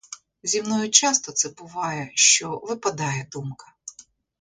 Зі мною часто це буває, що випадає думка.